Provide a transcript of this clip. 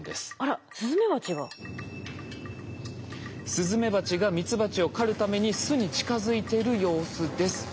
スズメバチがミツバチを狩るために巣に近づいてる様子です。